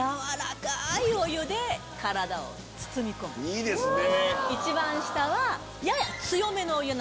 いいですね！